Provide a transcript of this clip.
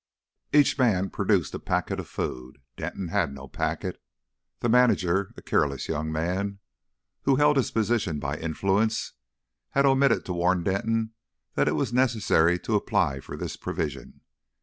Each man produced a packet of food. Denton had no packet. The manager, a careless young man who held his position by influence, had omitted to warn Denton that it was necessary to apply for this provision.